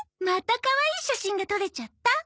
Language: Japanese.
またかわいい写真が撮れちゃった。